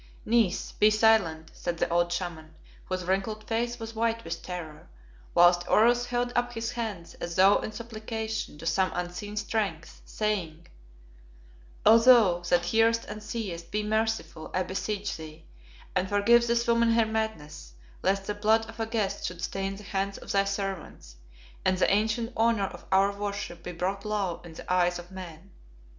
"Niece, be silent!" said the old Shaman, whose wrinkled face was white with terror, whilst Oros held up his hands as though in supplication to some unseen Strength, saying "O thou that hearest and seest, be merciful, I beseech thee, and forgive this woman her madness, lest the blood of a guest should stain the hands of thy servants, and the ancient honour of our worship be brought low in the eyes of men."